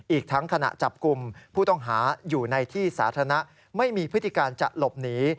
อีกทั้งขณะจับกลุ่มผู้ต้องหาอยู่ในที่สาธารณะไม่มีพฤติการจะหลบหนี